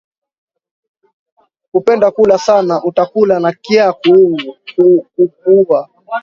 Kupenda kula sana uta kula na kya kukuuwa